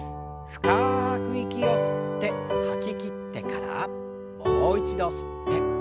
深く息を吸って吐ききってからもう一度吸って吐きましょう。